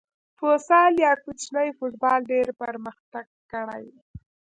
فوسال یا کوچنی فوټبال ډېر پرمختګ کړی.